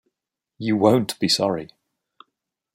You won't be sorry!